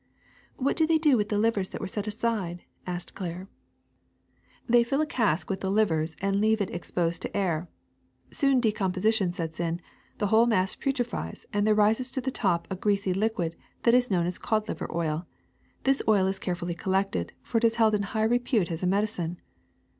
'* *^What do they do with the livers that were set aside !'' asked Claire. CODFISH 291 They fill a cask with the livers and leave it ex posed to the air. Soon decomposition sets in, the whole mass putrefies, and there rises to the top a greasy liquid that is known as cod liver oil. This oil is carefully collected, for it is held in high repute as a medicine.''